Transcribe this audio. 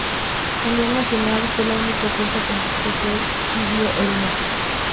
Unión Nacional fue la única fuerza política que pidió el "no".